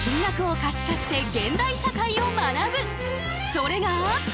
それが。